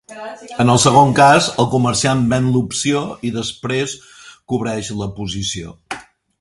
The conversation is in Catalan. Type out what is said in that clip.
En el segon cas, el comerciant ven l'opció i després cobreix la posició.